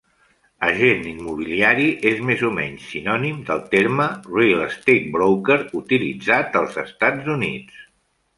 Agent immobiliari és més o menys sinònim del terme "real estate broker", utilitzat als Estats Units.